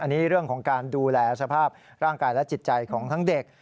อันนี้เรื่องของการดูแลสภาพร่างกายและจิตใจของทั้งเด็ก